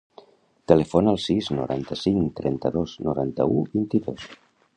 Telefona al sis, noranta-cinc, trenta-dos, noranta-u, vint-i-dos.